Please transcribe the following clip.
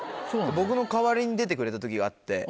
僕の代わりに出てくれた時があって。